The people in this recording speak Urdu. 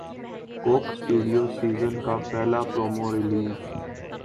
کوک اسٹوڈیو سیزن کا پہلا پرومو ریلیز